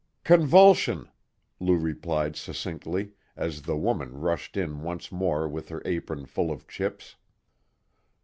"Convulsion," Lou replied succinctly, as the woman rushed in once more with her apron full of chips.